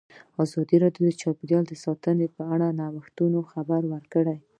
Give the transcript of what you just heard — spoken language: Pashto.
ازادي راډیو د چاپیریال ساتنه په اړه د نوښتونو خبر ورکړی.